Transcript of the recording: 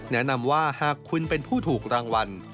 แนะนำว่าหากคุณเป็นผู้ถูกรางวัล